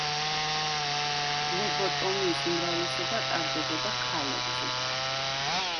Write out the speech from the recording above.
ლობოტომიის უმრავლესობა ტარდებოდა ქალებზე.